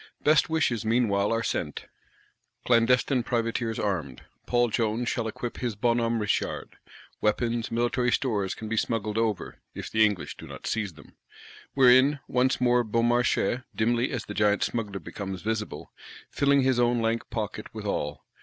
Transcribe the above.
Best wishes, meanwhile, are sent; clandestine privateers armed. Paul Jones shall equip his Bon Homme Richard: weapons, military stores can be smuggled over (if the English do not seize them); wherein, once more Beaumarchais, dimly as the Giant Smuggler becomes visible,—filling his own lank pocket withal.